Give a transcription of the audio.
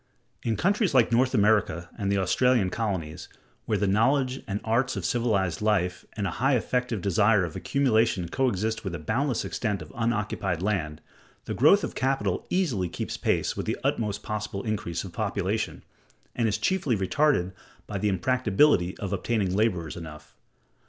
In countries like North America and the Australian colonies, where the knowledge and arts of civilized life and a high effective desire of accumulation coexist with a boundless extent of unoccupied land, the growth of capital easily keeps pace with the utmost possible increase of population, and is chiefly retarded by the impracticability of obtaining laborers enough.